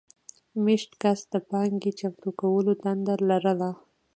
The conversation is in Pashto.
مېشت کس د پانګې چمتو کولو دنده لرله.